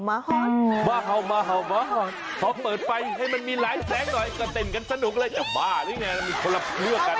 เขาเเติบไปให้มันมีไลน์แสงหน่อย